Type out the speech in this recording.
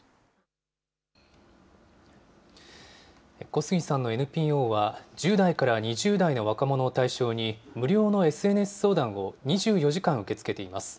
小杉さんのＮＰＯは、１０代から２０代の若者を対象に、無料のＳＮＳ相談を２４時間受け付けています。